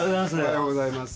おはようございます。